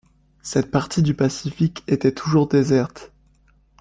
Cette partie du Pacifique était toujours déserte.